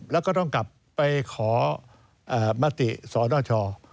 แล้วก็ต้องกลับไปขอมติสนช